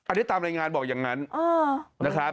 อันนี้ตามรายงานบอกอย่างนั้นนะครับ